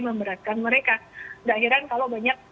memberatkan mereka nggak heran kalau banyak